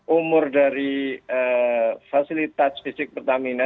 umur dari fasilitas fisik pertamina